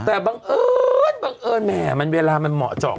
แต่บังเอิญบังเอิญแหมมันเวลามันเหมาะเจาะ